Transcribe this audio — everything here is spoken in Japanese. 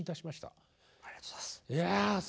ありがとうございます。